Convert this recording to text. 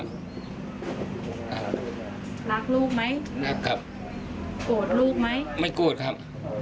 รักลูกไหมรักครับโกรธลูกไหมไม่โกรธครับ